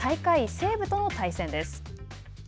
西武との対戦です。